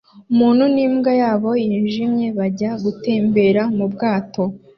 Umuntu n'imbwa yabo yijimye bajya gutembera mubwato